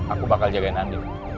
aku bakal jagain andin